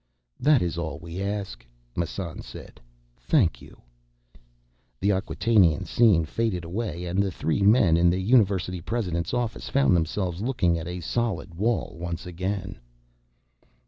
"That is all we ask," Massan said. "Thank you." The Acquatainian scene faded away, and the three men in the university president's office found themselves looking at a solid wall once again.